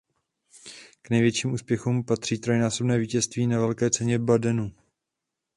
K největším úspěchům patří trojnásobné vítězství na Velké ceně Badenu.